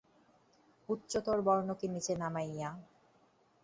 উচ্চতর বর্ণকে নীচে নামাইয়া এ-সমস্যার মীমাংসা হইবে না, নিম্নজাতিকে উন্নত করিতে হইবে।